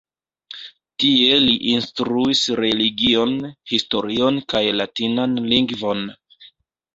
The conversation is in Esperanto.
Tie li instruis religion, historion kaj latinan lingvon.